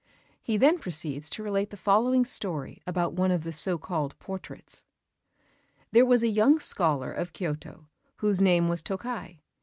He then proceeds to relate the following story about one of the so called portraits: There was a young scholar of Kyôto whose name was Tokkei.